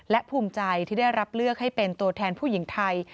และภูมิใจที่ได้รับเลือกให้เป็นตัวแทนผู้หญิงไทย